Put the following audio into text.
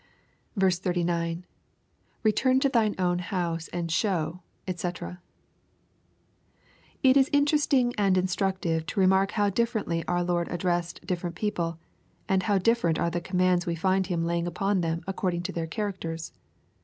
39. — [Return to thine own house and shoWj dbc.] It is interesting and instructive to remark how differently our Lord addressed different people, and how different are the commands we find Him laying upon them according to their characters.